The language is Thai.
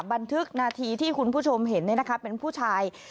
บันทึกนาทีที่คุณผู้ชมเห็นเป็นผู้ชาย